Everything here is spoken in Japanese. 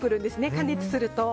加熱すると。